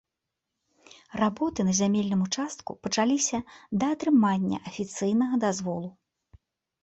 Работы на зямельным участку пачаліся да атрымання афіцыйнага дазволу.